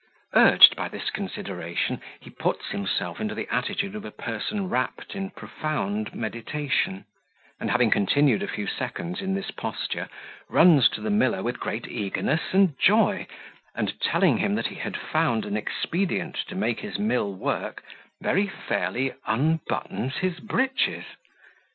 Urged by this consideration, he puts himself into the attitude of a person wrapt in profound meditation; and, having continued a few seconds in this posture, runs to the miller with great eagerness and joy, and, telling him that he had found an expedient to make his mill work; very fairly unbuttons his breeches.